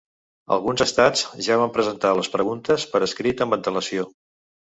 Alguns estats ja van presentar les preguntes per escrit amb antelació.